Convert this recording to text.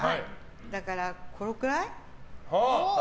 だから、このくらい？